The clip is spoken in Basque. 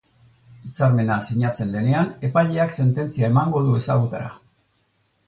Hitzarmena sinatzen denean, epaileak sententzia emango du ezagutara.